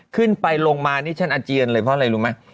ขึ้นไปลงมานี่ฉันอาเจียนเลยเพราะอะไรรู้ไหม